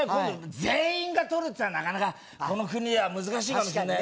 全員が取るってのはなかなかこの国では難しいかもしんないね